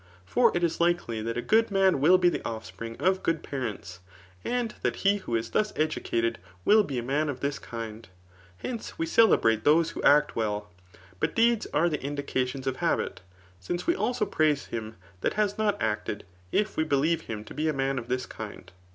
For it is likely th^t a good man will be the offspring of good parents, and that he who is thus educated will be a man of this kind. Hence, we oele« brate those who act well ; but deeds are the indications <$f hdhit ; since we also praise him that has not acted, if We believe him to be a man of this kind.